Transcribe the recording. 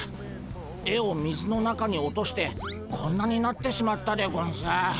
絵を水の中に落としてこんなになってしまったでゴンス。